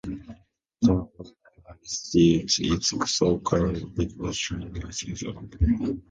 The "alkali suite" is so-called because of its high alkali content-for moon rocks.